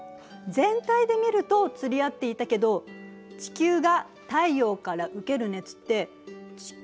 全体で見ると釣り合っていたけど地球が太陽から受ける熱って地球のどこでも同じかしら？